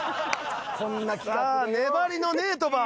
さあ粘りのネートバー！